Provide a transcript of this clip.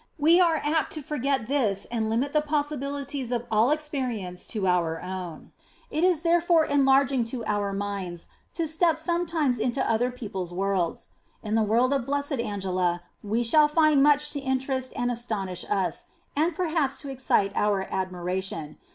We are apt to forget this and limit the possibilities of all experience to our own. It is therefore enlarging to our minds to step sometimes into other people s worlds. In the world of Blessed Angela we shall find much to interest and astonish us, and perhaps to excite our admira tion.